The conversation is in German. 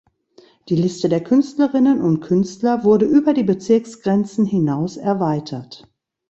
Die Liste der Künstlerinnen und Künstler wurde über die Bezirksgrenzen hinaus erweitert.